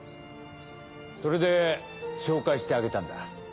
それで紹介してあげたんだ？